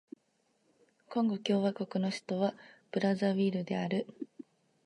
コンゴ共和国の首都はブラザヴィルである